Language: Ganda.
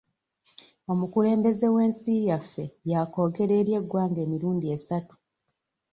Omukulembeze w'ensi yaffe yaakoogera eri eggwanga emirundi esatu.